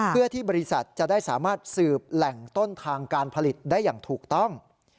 เพื่อที่บริษัทจะได้สามารถสืบแหล่งต้นทางการผลิตได้อย่างถูกต้อง